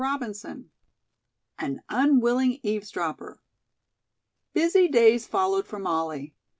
CHAPTER V. AN UNWILLING EAVESDROPPER. Busy days followed for Molly.